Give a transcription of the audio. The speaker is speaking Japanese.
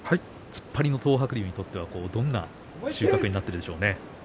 突っ張りの東白龍にとってはどんな収穫になったでしょうか。